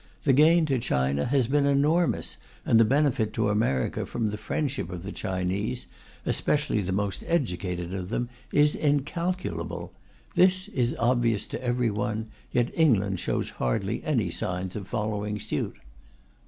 The gain to China has been enormous, and the benefit to America from the friendship of the Chinese (especially the most educated of them) is incalculable. This is obvious to everyone, yet England shows hardly any signs of following suit.